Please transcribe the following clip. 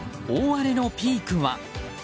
大荒れのピークは。